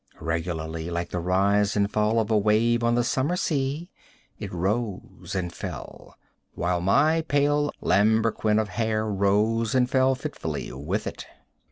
Regularly, like the rise and fall of a wave on the summer sea, it rose and fell, while my pale lambrequin of hair rose and fell fitfully with it.